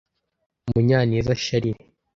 Munyaneza Charles